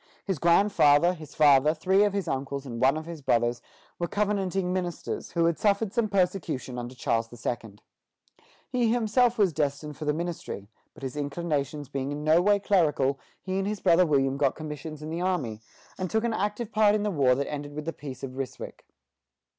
His grandfather, his father, three of his uncles, and one of his brothers were Covenanting ministers, who had suffered some persecution under Charles II. He himself was destined for the ministry; but his inclinations being in no way clerical, he and his brother William got commissions in the army, and took an active part in the war that ended with the Peace of Ryswick.